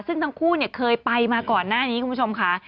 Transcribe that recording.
ซึ่งทั้งคู่เคยไปมาก่อนหน้านี้คุณผู้ชมค่ะ